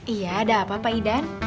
iya ada apa apa idan